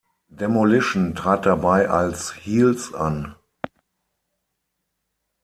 Demolition trat dabei als Heels an.